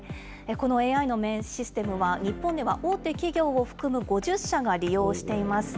このＡＩのシステムは日本では大手企業を含む５０社が利用しています。